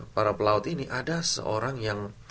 para pelaut ini ada seorang yang